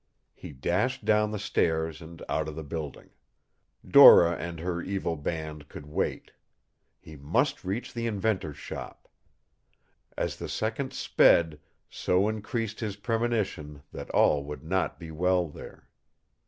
He dashed down the stairs and out of the building. Dora and her evil band could wait. He must reach the inventor's shop. As the seconds sped, so increased his premonition that all would not be well there.